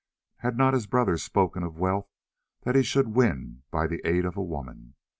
Had not his brother spoken of wealth that he should win by the aid of a woman?